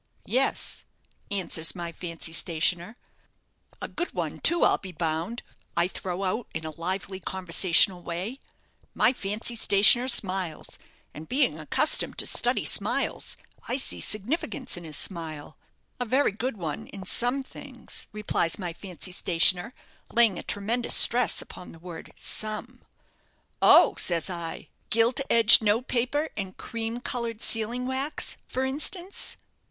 'Yes,' answers my fancy stationer. 'A good one, too, I'll be bound,' I throw out, in a lively, conversational way. My fancy stationer smiles, and being accustomed to study smiles, I see significance in his smile. 'A very good one in some things,' replies my fancy stationer, laying a tremendous stress upon the word some. 'Oh,' says I, 'gilt edged note paper and cream coloured sealing wax, for instance.'